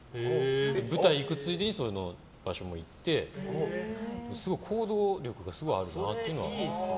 舞台行くついでにその場所も行って行動力がすごいあるんです。